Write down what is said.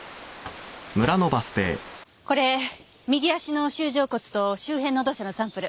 これ右足の舟状骨と周辺の土砂のサンプル。